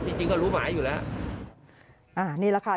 จริงจริงก็รู้หมายอยู่แล้วอ่านี่แหละค่ะ